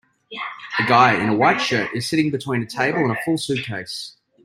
a guy in a white shirt is sitting between a table and a full suitcase.